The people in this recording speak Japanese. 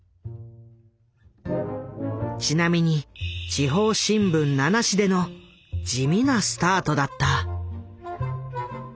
ちなみに地方新聞７紙での地味なスタートだった。